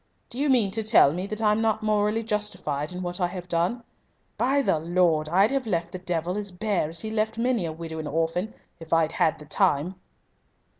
Do you mean to tell me that I'm not morally justified in what I have done? By the Lord, I'd have left the devil as bare as he left many a widow and orphan, if I'd had the time!"